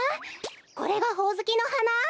これがほおずきのはな？